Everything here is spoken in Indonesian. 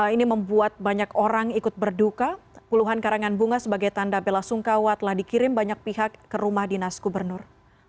ini membuat banyak orang ikut berduka puluhan karangan bunga sebagai tanda bela sungkawa telah dikirim banyak pihak ke rumah dinas gubernur